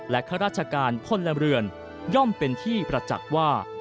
ข้าราชการพลเรือนย่อมเป็นที่ประจักษ์ว่า